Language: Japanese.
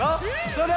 それ！